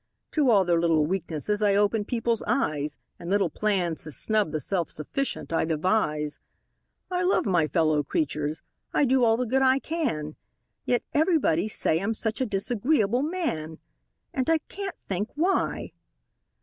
To all their little weaknesses I open people's eyes And little plans to snub the self sufficient I devise; I love my fellow creatures I do all the good I can Yet everybody say I'm such a disagreeable man! And I can't think why!